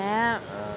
うん。